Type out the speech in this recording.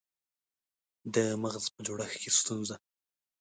د مغز په جوړښت کې ستونزه